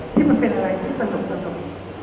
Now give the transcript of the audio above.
ที่มันเป็นอะไรที่สนุก